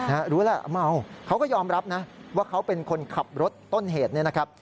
รู้แหละเมาเขาก็ยอมรับนะว่าเขาเป็นคนขับรถต้นเหตุเนี่ยนะครับ